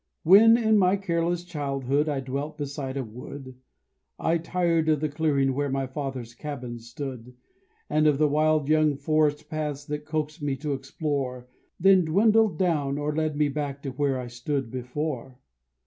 When in my careless childhood I dwelt beside a wood, I tired of the clearing where my father's cabin stood; And of the wild young forest paths that coaxed me to explore, Then dwindled down, or led me back to where I stood before.